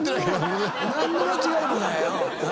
何の間違いもない。